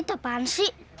stupid apaan sih